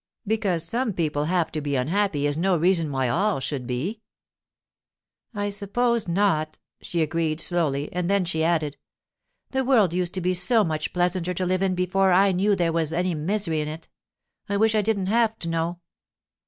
Because some people have to be unhappy is no reason why all should be.' 'I suppose not,' she agreed slowly; and then she added, 'The world used to be so much pleasanter to live in before I knew there was any misery in it—I wish I didn't have to know!